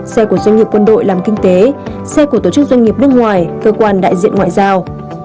xe của doanh nghiệp quân đội làm kinh tế xe của tổ chức doanh nghiệp nước ngoài cơ quan đại diện ngoại giao